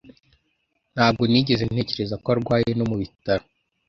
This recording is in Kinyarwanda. Ntabwo nigeze ntekereza ko arwaye no mu bitaro.